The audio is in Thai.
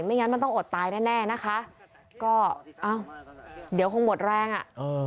ไม่งั้นมันต้องอดตายแน่นะคะก็เดี๋ยวคงหมดแรงอะ